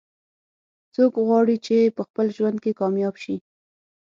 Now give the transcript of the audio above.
څوک غواړي چې په خپل ژوند کې کامیاب شي